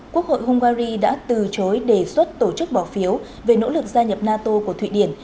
quốc hội hungary đã từ chối đề xuất tổ chức bỏ phiếu về nỗ lực gia nhập nato của thụy điển